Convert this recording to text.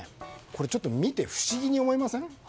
これを見て不思議に思いません？